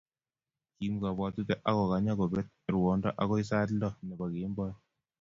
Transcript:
Kiim kabwatutik akokanya kobet ruondo agoi sait lo nebo kemboi